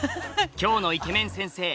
今日のイケメン先生